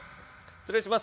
・失礼します